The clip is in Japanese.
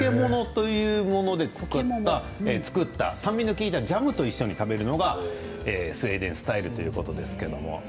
そしてコケモモというもので作った酸味の利いたジャムと一緒に食べるのがスウェーデンスタイルだそうですね。